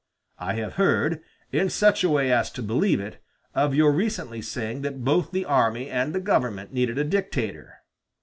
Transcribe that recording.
I have heard, in such a way as to believe it, of your recently saying that both the army and the government needed a dictator.